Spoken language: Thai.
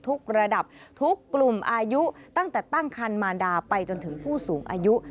ระดับทุกกลุ่มอายุตั้งแต่ตั้งคันมารดาไปจนถึงผู้สูงอายุ